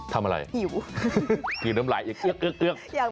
ทำอะไรหิวหิวน้ำไหล่อย่าเกื้อก